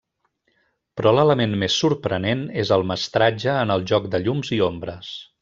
Però l'element més sorprenent és el mestratge en el joc de llums i ombres.